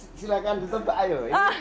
ya silahkan ditempa ayo